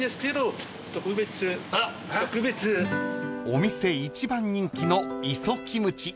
［お店１番人気の磯キムチ